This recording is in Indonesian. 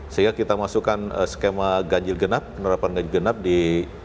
sehingga kita masukkan skema ganjil genap penerapan ganjil genap di